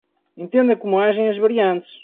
Entenda como agem as variantes